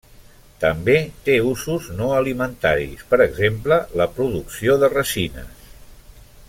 També té usos no alimentaris, per exemple la producció de resines.